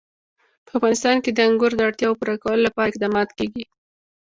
په افغانستان کې د انګور د اړتیاوو پوره کولو لپاره اقدامات کېږي.